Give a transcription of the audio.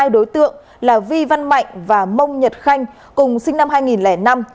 hai đối tượng là vi văn mạnh và mông nhật khanh cùng sinh năm hai nghìn năm